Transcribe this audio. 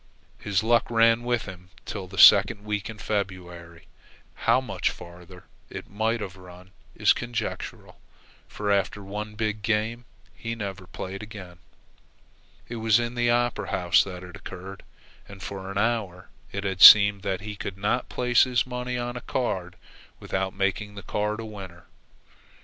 His luck ran with him till the second week in February. How much farther it might have run is conjectural; for, after one big game, he never played again. It was in the Opera House that it occurred, and for an hour it had seemed that he could not place his money on a card without making the card a winner.